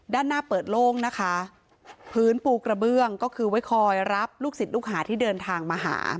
ด้านหน้าเปิดโล่งนะคะพื้นปูกระเบื้องก็คือไว้คอยรับลูกศิษย์ลูกหาที่เดินทางมาหา